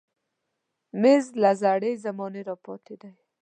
مېز له زړې زمانې راپاتې دی.